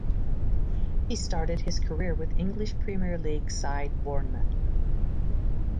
He started his career with English Premier League side Bournemouth.